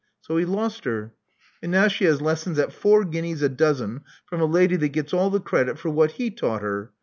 So he lost her; and now she has lessons at four guineas a dozen from a lady that gets all the credit for what he taught her.